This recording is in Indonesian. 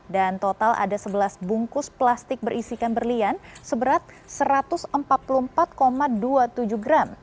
dan total ada sebelas bungkus plastik berisikan berlian seberat satu ratus empat puluh empat dua puluh tujuh gram